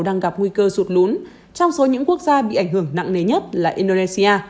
đang gặp nguy cơ rụt lún trong số những quốc gia bị ảnh hưởng nặng nế nhất là indonesia